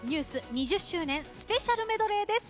２０周年スペシャルメドレーです。